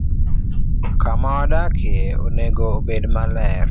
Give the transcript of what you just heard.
Kama wadakie onego obed maler.